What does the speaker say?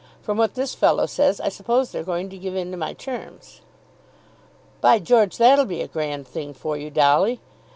From what this fellow says I suppose they're going to give in to my terms." "By George, that'll be a grand thing for you, Dolly."